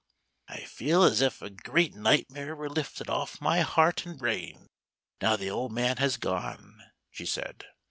"I feel as if a great nightmare were lifted off my heart and brain, now the old man has gone," she said.